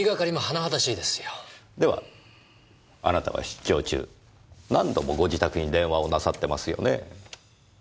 ではあなたは出張中何度もご自宅に電話をなさってますよねぇ。